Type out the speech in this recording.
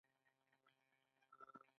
د ازادۍ سلبېدل دوی ته رنځ ورکوي.